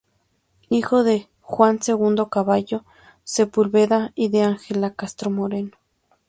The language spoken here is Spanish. Hijo de Juan Segundo Cavallo Sepúlveda y de Ángela Castro Moreno.